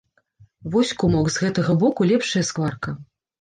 Вось, кумок, з гэтага боку лепшая скварка!